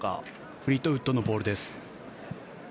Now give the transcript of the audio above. フリートウッドのボールです。